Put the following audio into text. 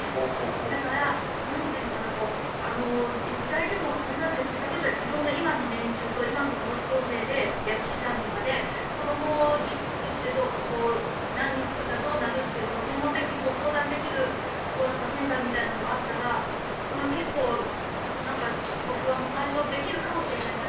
だから、自治体でも例えば、自分の今の年収と今の家族構成、資産とかで子どもをいつ作って何人作ったらどうなるというのを専門的に相談できるセンターみたいなのがあったら結構、不安も解消できるかもしれないなと。